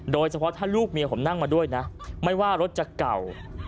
โดยเฉพาะถ้าลูกเมียผมนั่งมาด้วยนะไม่ว่ารถจะเก่า